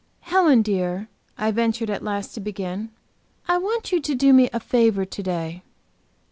"Helen, dear," I ventured at last to begin "I want you to do me a favor to day."